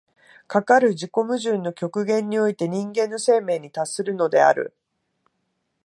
かかる自己矛盾の極限において人間の生命に達するのである。